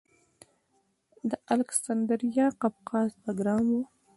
د الکسندریه قفقاز بګرام و